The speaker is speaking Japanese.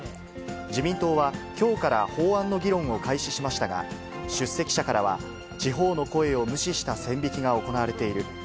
自民党は、きょうから法案の議論を開始しましたが、出席者からは、地方の声を無視した線引きが行われている。